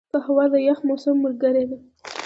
قهوه د یخ موسم ملګرې ده